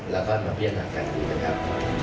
แล้วก็มาเพียงหนักกันดูนะครับ